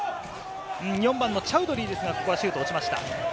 ４番のチャウドリー、ここはシュート落ちました。